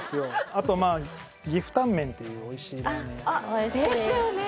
あとまあ岐阜タンメンっていうおいしいラーメン屋がですよね！